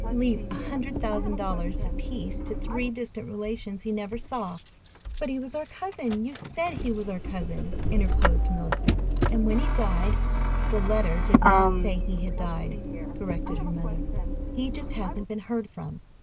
"Leave a hundred thousand dollars apiece to three distant relations he never saw." "But he was our cousin—you said he was our cousin," interposed Mellicent, "and when he died—" "The letter did not say he had died," corrected her mother. "He just hasn't been heard from.